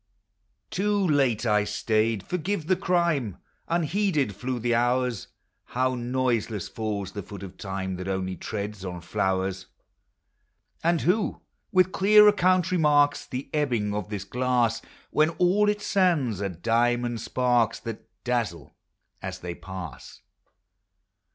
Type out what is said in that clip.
Too late I stayed, — forgive the crime! Unheeded tlew the hours: How noiseless falls the foot of Time That only treads on tlowers! And who, with clear account, remarks The ebbings of this glass, When all its sands are diamond sparks, That dazzle as they pass?